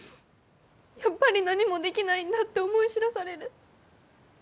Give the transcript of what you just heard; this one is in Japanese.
やっぱり何もできないんだって思い知らされる。